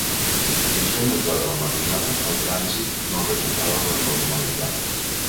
Fins ben entrada la matinada, el trànsit no ha recuperat la normalitat.